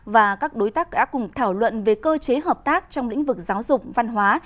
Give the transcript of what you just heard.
và các đối tác đã cùng thảo luận về cơ chế hợp tác trong lĩnh vực giáo dục văn hóa